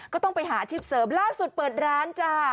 ก็ต้องไปหาอาชีพเสริมล่าสุดเปิดร้านจ้า